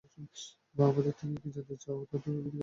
আমার থেকে কি জানতে চাও তার উপর ভিত্তি করে আমাকে উত্তর দিতে হবে?